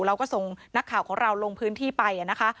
เราก็ส่งนักข่าวของเราลงพื้นที่ไปนะคะ